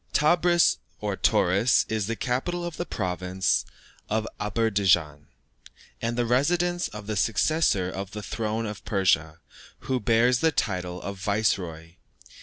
Tebris, or Tauris, is the capital of the province of Aderbeidschan, and the residence of the successor to the throne of Persia, who bears the title of Viceroy.